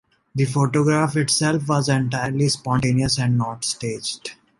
The photograph itself was entirely spontaneous and not staged.